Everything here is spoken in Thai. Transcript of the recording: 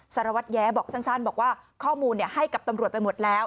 สารวัตรแย้บอกสั้นบอกว่าข้อมูลให้กับตำรวจไปหมดแล้ว